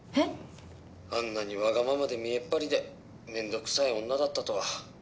あんなにわがままで見栄っ張りで面倒くさい女だったとは。